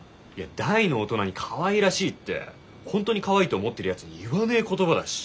大の大人にかわいらしいって本当にかわいいと思ってるやつに言わねえ言葉だし。